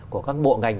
của các bộ ngành